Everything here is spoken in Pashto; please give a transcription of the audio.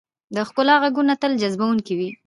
د ښکلا ږغونه تل جذبونکي وي.